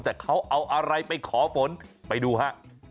แต่เขาเอาอะไรไปขอฝนไปดูฮะ